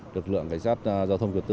lực lượng cảnh sát giao thông kiểu tự